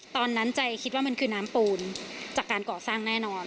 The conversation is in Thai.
ตอนนั้นใจคิดว่ามันคือน้ำปูนจากการก่อสร้างแน่นอน